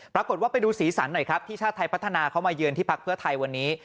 ปรากฏว่าไปดูสีสันหน่อยครับที่ชาติไทยพัฒนาเข้ามาเยือนที่พักเพื่อไทยวันนี้